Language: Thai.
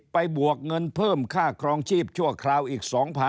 บวกเงินเพิ่มค่าครองชีพชั่วคราวอีก๒๐๐๐